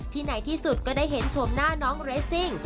ไหนที่สุดก็ได้เห็นชมหน้าน้องเรสซิ่ง